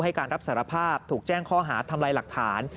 การรับสารภาพถูกแจ้งข้อหาทำลายหลักฐาน